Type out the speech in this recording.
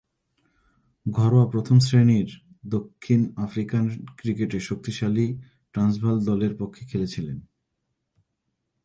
ঘরোয়া প্রথম-শ্রেণীর দক্ষিণ আফ্রিকান ক্রিকেটে শক্তিশালী ট্রান্সভাল দলের পক্ষে খেলেছিলেন।